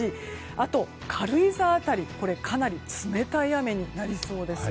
あと、軽井沢辺りかなり冷たい雨になりそうです。